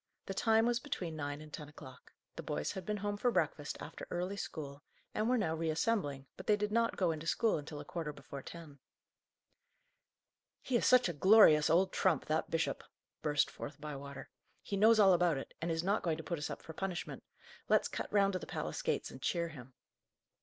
The time was between nine and ten o'clock. The boys had been home for breakfast after early school, and were now reassembling, but they did not go into school until a quarter before ten. "He is such a glorious old trump, that bishop!" burst forth Bywater. "He knows all about it, and is not going to put us up for punishment. Let's cut round to the palace gates and cheer him."